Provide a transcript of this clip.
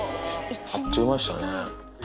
あっという間でしたね。